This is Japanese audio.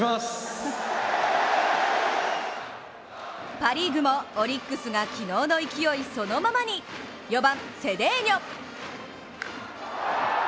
パ・リーグもオリックスが昨日の勢いそのままに４番・セデーニョ。